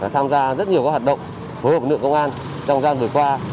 tham gia rất nhiều các hoạt động phối hợp lực lượng công an trong gian vừa qua